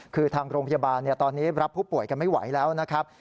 คือทางโรงพยาบาลตอนนี้รับผู้ป่วยกันไม่ไหวแล้วนะครับ